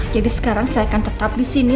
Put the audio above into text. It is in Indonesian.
jadi sekarang saya akan tetap disini